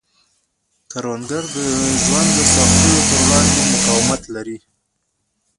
کروندګر د ژوند د سختیو پر وړاندې مقاومت لري